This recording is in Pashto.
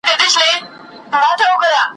چي د حق پړی یې غاړي ته زیندۍ کړ ,